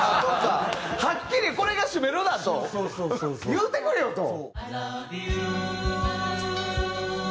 はっきりこれが主メロだと言うてくれよと。